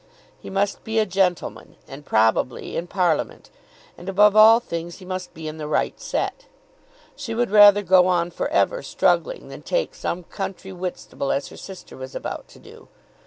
He must be a gentleman, and, probably, in parliament. And above all things he must be in the right set. She would rather go on for ever struggling than take some country Whitstable as her sister was about to do.